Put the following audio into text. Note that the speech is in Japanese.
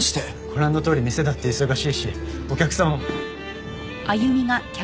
ご覧のとおり店だって忙しいしお客様も。